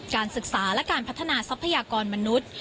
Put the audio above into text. การศึกษาและการพัฒนาทรัพยากรมนุษย์